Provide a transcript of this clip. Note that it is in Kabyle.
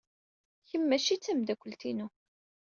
Kemm maci d tameddakelt-inu.